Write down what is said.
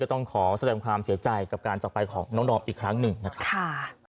ต้องขอแสดงความเสียใจกับการจักรไปของน้องดอมอีกครั้งหนึ่งนะครับ